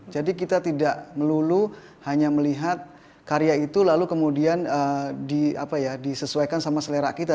jadi kita tidak melulu hanya melihat karya itu lalu kemudian disesuaikan sama selera kita